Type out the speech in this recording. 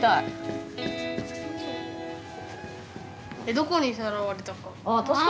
どこにさらわれたか？